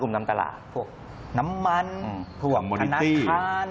พวกน้ำมันพวกคณะท่าน